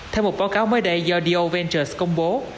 theo một báo cáo mới đây do d o ventures công bố